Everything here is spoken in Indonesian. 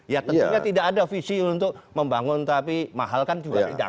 ya tentunya tidak ada visi untuk membangun tapi mahal kan juga tidak